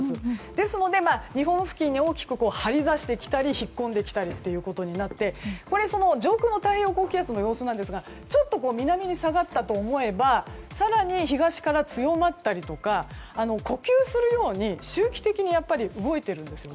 ですので、日本付近に大きく張り出してきたり引っ込んできたりということになって上空の太平洋高気圧の様子ですが南に下がったと思えば更に、東から強まったりとか呼吸するように周期的に動いているんです。